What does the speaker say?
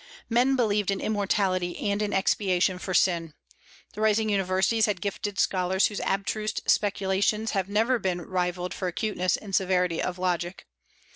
Men believed in immortality and in expiation for sin. The rising universities had gifted scholars whose abstruse speculations have never been rivalled for acuteness and severity of logic.